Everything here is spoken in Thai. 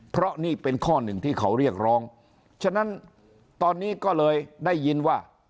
เพราะนี่เป็นข้อหนึ่งที่เขาเรียกร้องฉะนั้นตอนนี้ก็เลยได้ยินว่า